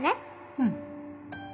うん。